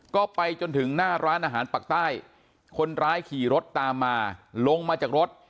ก็ไปจนถึงหน้าร้านอาหารปากใต้คนร้ายขี่รถตามมาลงมาจากรถ